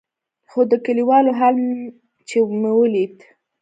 خو د کليوالو حال چې مې وليد.